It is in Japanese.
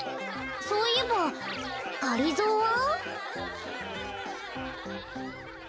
そういえばがりぞーは？